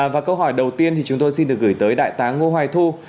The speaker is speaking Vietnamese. và câu hỏi đầu tiên thì chúng tôi xin được gửi tới đại tá ngô hoài thu